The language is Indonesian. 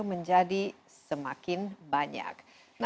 menjadi semakin banyak